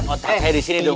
otak saya di sini dong